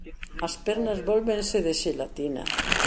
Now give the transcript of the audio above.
As pernas vólvense de xelatina.